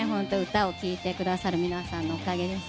歌を聴いてくださる皆さんのおかげです。